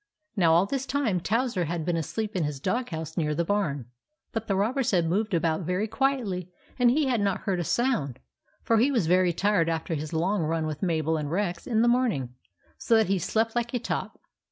Now all this time Towser had been asleep in his dog house near the barn ; but the rob bers had moved about very quietly and he had not heard a sound, for he was very tired after his long run with Mabel and Rex in the morning, so that he slept like a top.